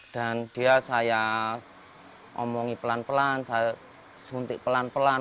dan dia saya omongi pelan pelan saya suntik pelan pelan